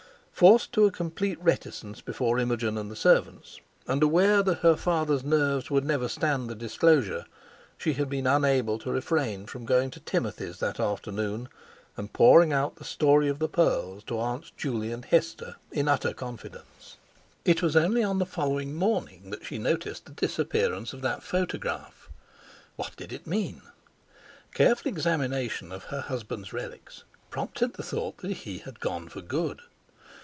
Forced to a complete reticence before Imogen and the servants, and aware that her father's nerves would never stand the disclosure, she had been unable to refrain from going to Timothy's that afternoon, and pouring out the story of the pearls to Aunts Juley and Hester in utter confidence. It was only on the following morning that she noticed the disappearance of that photograph. What did it mean? Careful examination of her husband's relics prompted the thought that he had gone for good.